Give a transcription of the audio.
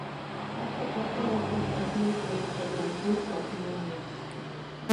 هرچا ته خپل وطن کشمير دې خو په ګرديز شکمن يم